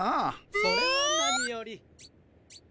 それはなにより！